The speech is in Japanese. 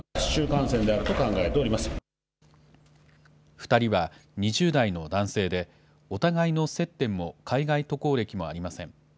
２人は２０代の男性で、お互いの接点も海外渡航歴もありません。